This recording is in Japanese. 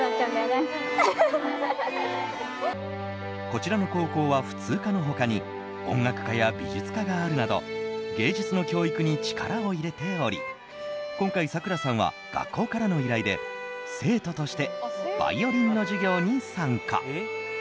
こちらの高校は、普通科の他に音楽科や美術科があるなど芸術の教育に力を入れており今回、さくらさんは学校からの依頼で生徒としてバイオリンの授業に参加。